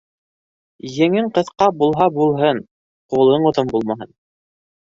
Еңең ҡыҫҡа булһа булһын, ҡулың оҙон булмаһын.